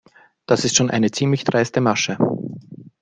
Das ist schon eine ziemlich dreiste Masche.